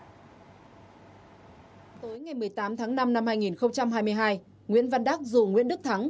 tối ngày một mươi tám tháng năm năm hai nghìn hai mươi hai nguyễn văn đắc dù nguyễn đức thắng